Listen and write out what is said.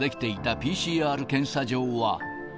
ＰＣＲ検査場は。